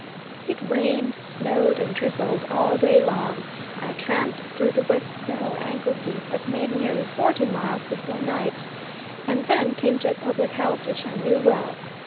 It rained, snowed, and drizzled all day long. I tramped through the wet snow ankle deep, but made nearly forty miles before night, and then came to a public house which I knew well.